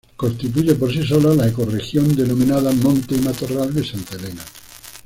Constituye por sí sola la ecorregión denominada monte y matorral de Santa Elena.